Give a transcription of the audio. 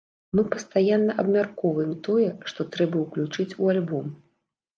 Мы пастаянна абмяркоўваем тое, што трэба ўключыць у альбом.